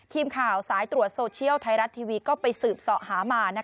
ทีมข่าวสายตรวจโซเชียลไทยรัฐทีวีก็ไปสืบเสาะหามา